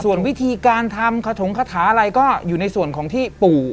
ส่วนวิธีการทำขถงคาถาอะไรก็อยู่ในส่วนของที่ปู่